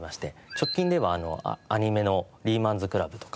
直近ではアニメの『リーマンズクラブ』とか